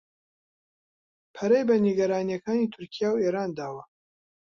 پەرەی بە نیگەرانییەکانی تورکیا و ئێران داوە